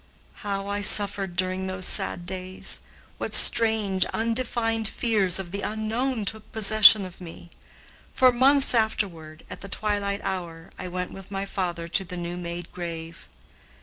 How I suffered during those sad days! What strange undefined fears of the unknown took possession of me! For months afterward, at the twilight hour, I went with my father to the new made grave.